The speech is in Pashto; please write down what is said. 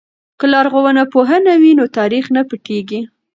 که لرغونپوهنه وي نو تاریخ نه پټیږي.